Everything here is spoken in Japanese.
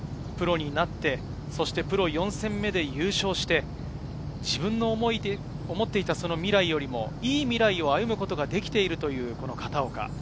今年プロになって、プロ４戦目で優勝して、自分の思っていた未来よりもいい未来を歩むことができているという片岡。